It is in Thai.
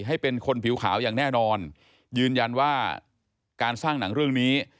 ให้เป็นคนผิวขาวอย่างแน่นอนยืนยันว่าการสร้างหนังเรื่องนี้